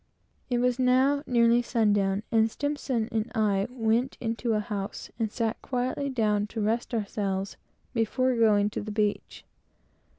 It was now nearly sundown, and S and myself went into a house and sat quietly down to rest ourselves before going down to the beach.